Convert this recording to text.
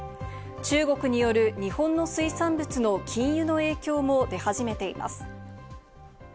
中国による日本の水産物の禁輸の影響も出始めています。